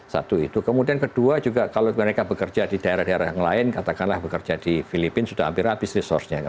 satu itu kemudian kedua juga kalau mereka bekerja di daerah daerah yang lain katakanlah bekerja di filipina sudah hampir habis resource nya